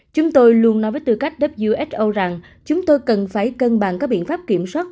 chúng tôi luôn nói với tư cách wso rằng chúng tôi cần phải cân bằng các biện pháp kiểm soát